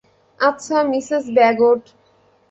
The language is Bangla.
আচ্ছা, মিসেস ব্যাগট।